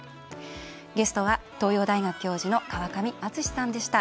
ゲストは東洋大学教授の川上淳之さんでした。